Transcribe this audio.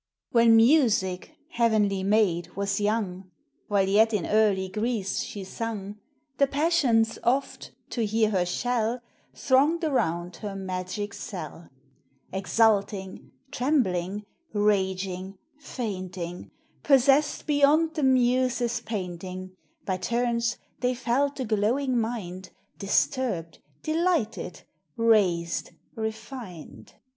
When Music, heavenly maid, was young, While ye1 in early Greece Bhesung, The Passions oft, to hear her shell, Thronged around liei magic cell, Exulting, trembling, raging, fainting,— Possessed beyond the muse's paintin j By turns they fell the glowing mind Disturbed, delighted, raised, refined; 368 POEMS OF SEWPIM'EXT.